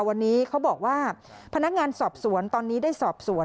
วันนี้เขาบอกว่าพนักงานสอบสวนตอนนี้ได้สอบสวน